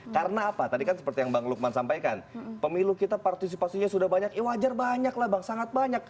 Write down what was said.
karena apa tadi kan seperti yang bang lukman sampaikan pemilu kita partisipasinya sudah banyak ya wajar banyak lah bang sangat banyak